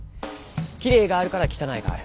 きれいがあるから汚いがある。